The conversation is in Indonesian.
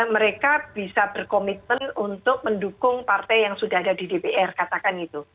mereka bisa berkomitmen untuk mendukung partai yang sudah ada di dpr katakan itu